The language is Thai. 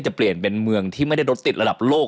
เปลี่ยนเป็นเมืองที่ไม่ได้รถติดระดับโลก